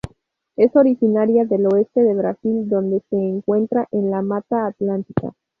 Es originaria del oeste de Brasil donde se encuentra en la Mata Atlántica.